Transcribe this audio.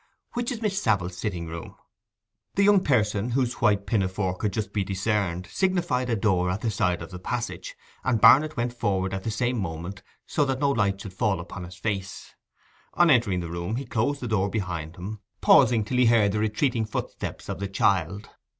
Which is Miss Savile's sitting room?' The young person, whose white pinafore could just be discerned, signified a door in the side of the passage, and Barnet went forward at the same moment, so that no light should fall upon his face. On entering the room he closed the door behind him, pausing till he heard the retreating footsteps of the child.